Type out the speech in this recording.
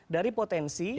dari potensi dpd